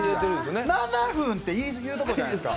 ７分！って言うところじゃないですか。